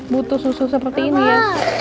butuh susu seperti ini ya